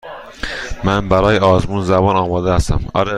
من برای آزمون زبان آماده هستم.